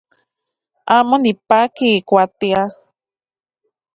Amo nipaki ijkuak tias.